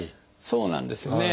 そうなんですよね。